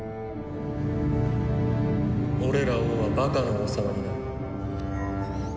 俺ら王はバカの王様になる。